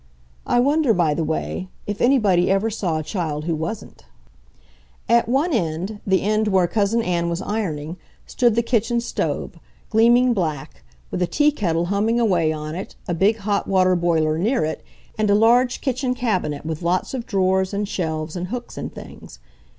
I wonder, by the way, if anybody ever saw a child who wasn't. At one end, the end where Cousin Ann was ironing, stood the kitchen stove, gleaming black, with a tea kettle humming away on it, a big hot water boiler near it, and a large kitchen cabinet with lots of drawers and shelves and hooks and things.